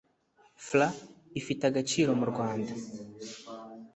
Frw ifite agaciro mu Rwanda